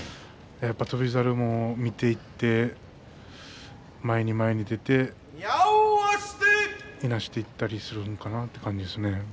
やっぱり翔猿も見ていって前に前に出ていなしていったりするのかなという感じですね。